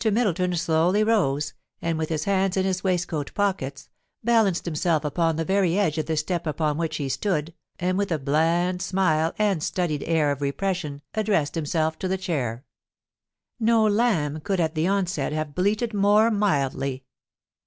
401 Middlelon slowly rose, and with his hands in his waistcoat pockets, balanced himself upon the very edge of the step upon which he stood, and with a bland smile and studied air of repression addressed himself to the chair. No lamb could at the onset have bleated more mildly.